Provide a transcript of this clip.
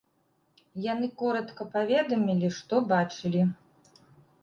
Яны коратка паведамілі, што бачылі.